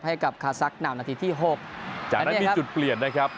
ให้กับคาซักนามนาทีที่หกจากนั้นมีจุดเปลี่ยนนะครับ